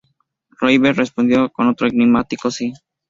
River responde con otro enigmático "sí".